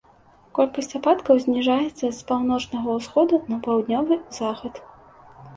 Колькасць ападкаў зніжаецца з паўночнага ўсходу на паўднёвы захад.